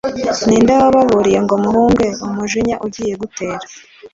ni nde wababuriye ngo muhunge umujinya ugiye gutera